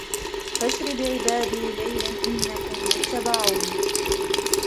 فأسر بعبادي ليلا إنكم متبعون